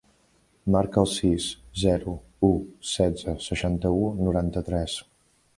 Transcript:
Marca el sis, zero, u, setze, seixanta-u, noranta-tres.